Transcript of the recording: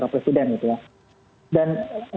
presiden gitu ya dan